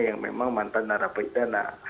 yang memang mantan narapidana